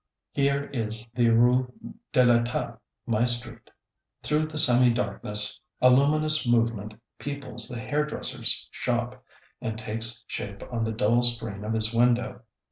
Here is the Rue de l'Etape, my street. Through the semi darkness, a luminous movement peoples the hairdresser's shop, and takes shape on the dull screen of his window.